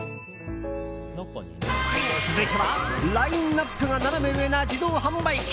続いてはラインアップがナナメ上な自動販売機。